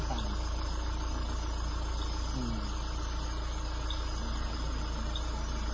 ก็ดูจากรอยพักที่หู